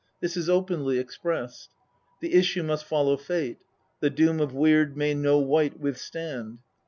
this is openly expressed "The issue must follow fate," "The doom of Weird may no wight withstand."